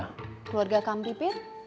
keluarga kang pipit